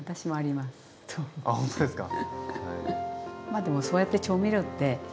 あほんとですか。